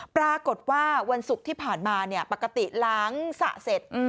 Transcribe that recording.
ปรากฏว่าวันศุกร์ที่ผ่านมาปกติล้างสระเสร็จ